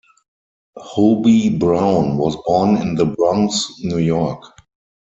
Hobie Brown was born in the Bronx, New York.